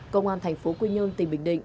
công an thành phố quy nhơn tỉnh bình định